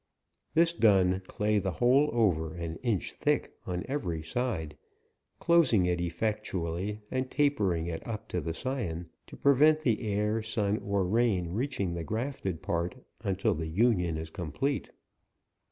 This done, clay the whole over, an inch thick, on every side, closing it effectually, and tapering it up to the scion, to prevent the air, sun, or rain reaching the grafted part, until the union is complete.